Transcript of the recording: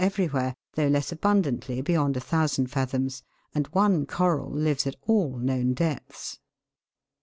everywhere, though less abundantly beyond 1,000 fathoms, and one coral lives at all known depths.